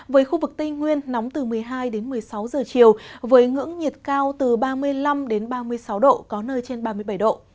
với khu vực tây nguyên nóng từ một mươi hai đến một mươi sáu giờ chiều với ngưỡng nhiệt cao từ ba mươi năm ba mươi sáu độ có nơi trên ba mươi bảy độ